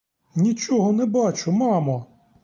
Нічого не бачу, мамо!